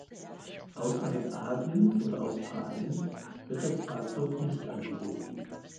Außerhalb Asiens oder Australiens wird das Fahrzeug nicht angeboten.